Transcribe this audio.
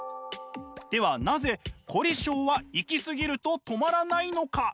ではなぜ凝り性は行き過ぎると止まらないのか？